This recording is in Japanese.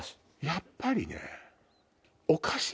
やっぱりね。